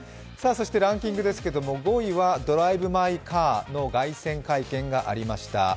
ランキングですけれども５位は「ドライブ・マイ・カー」の凱旋会見がありました。